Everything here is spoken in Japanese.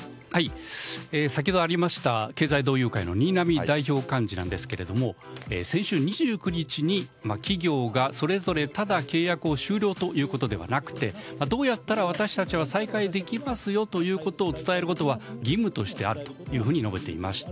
先ほどありました経済同友会の新浪代表幹事なんですけれども先週２９日に企業がそれぞれただ契約を終了ということではなくてどうやったら私たちは再開できますよというのを伝えることは義務としてあるというふうに述べていました。